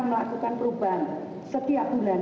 melakukan perubahan setiap bulan